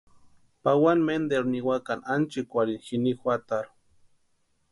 Pawani menteru niwakani ánchikwarhini jini juatarhu.